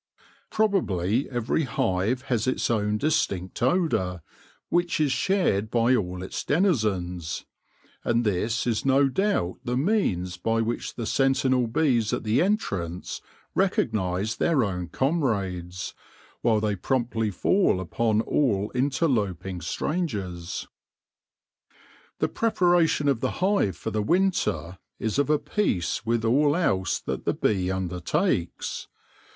Probably every hive has its own distinct odour, which is shared by all its denizens, and this is no doubt the means by which the sentinel bees at the entrance recognise their own comrades, while they promptly fall upon all inter loping strangers. The preparation of the hive for the winter is of a piece with all else that the bee undertakes.